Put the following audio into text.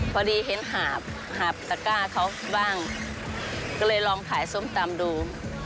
พอดีเห็นหาบตะก้าเขาบ้างก็เลยลองขายส้มตำดู